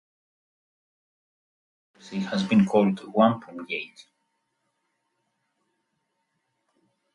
The controversy has been called Wampumgate.